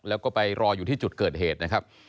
แล้วก็ไปรออยู่ที่จุดเกิดเหตุนะครับ